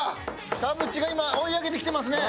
田渕が今追い上げてきてますね。